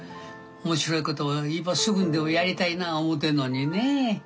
面白い事を今すぐにでもやりたいな思うてんのにね